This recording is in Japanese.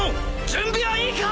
準備はいいか！